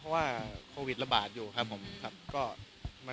เพราะว่าโควิดระบาดอยู่ครับผมครับ